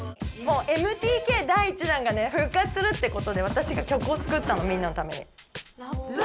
もう「ＭＴＫ」だい１だんがねふっ活するってことで私がきょくを作ったのみんなのために。